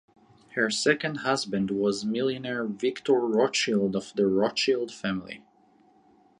Her second husband was millionaire Victor Rothschild of the Rothschild family.